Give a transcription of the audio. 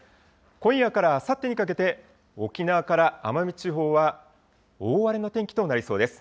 今夜からあさってにかけて、沖縄から奄美地方は大荒れの天気となりそうです。